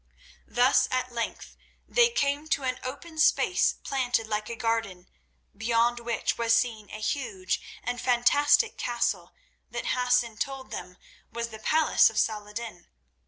Thus at length they came to an open space planted like a garden, beyond which was seen a huge and fantastic castle that Hassan told them was the palace of Salah ed din.